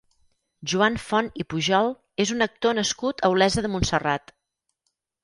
Joan Font i Pujol és un actor nascut a Olesa de Montserrat.